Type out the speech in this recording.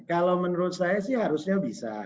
kalau menurut saya sih harusnya bisa